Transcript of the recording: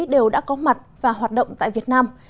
đều đã có mặt và hoạt động tại việt nam